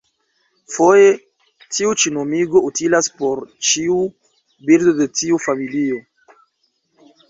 Foje tiu ĉi nomigo utilas por ĉiu birdo de tiu familio.